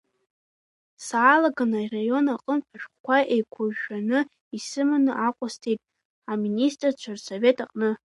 Саалаган араион аҟнытә ашәҟәқәа еиқәыршәаны исыманы Аҟәа сцеит Аминистрцәа рсовет аҟны.